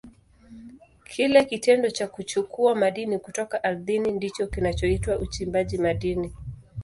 Kile kitendo cha kuchukua madini kutoka ardhini ndicho kinachoitwa uchimbaji madini.